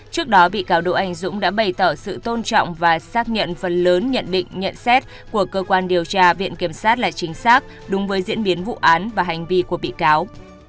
trước đó bị cáo độ anh dũng đã bày tỏ sự tôn trọng và xác nhận phần lớn nhận định nhận xét của cơ quan điều tra viện kiểm sát là chính xác đúng với diễn biến vụ án và hành vi của bị cáo